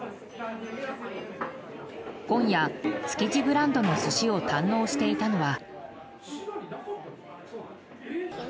今夜、築地ブランドの寿司を堪能していたのは。